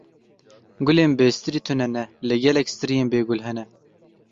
Gulên bêstrî tune ne, lê gelek striyên bêgul hene.